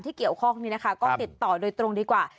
ที่เกี่ยวข้อนี้ก็ติดต่อโดยตรงดีกว่า